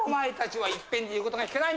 はい。